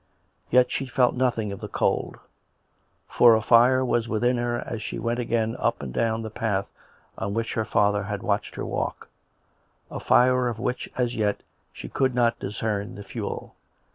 Yet she felt nothing of the cold, for a fire was within her as she went again up and down the path on which her father had watched her walk — a fire of which as yet she could not discern the fuel.